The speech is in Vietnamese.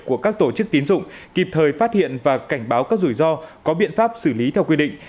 của các tổ chức tín dụng kịp thời phát hiện và cảnh báo các rủi ro có biện pháp xử lý theo quy định